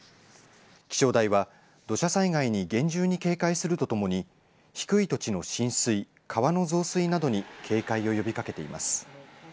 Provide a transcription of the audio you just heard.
気象台は土砂災害に厳重に警戒するとともに低い土地の浸水、川の増水などに警戒を呼びかけています。